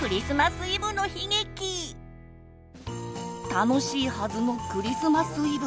楽しいはずのクリスマスイブ。